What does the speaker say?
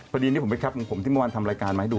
พอดีผมไปครับอาหารพอผมที่เมื่อวานทำรายการมาให้ดู